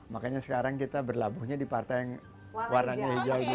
makanya sekarang kita berlabuhnya di partai yang warnanya hijau ini